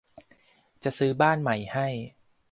จะซื้อบ้านใหม่ให้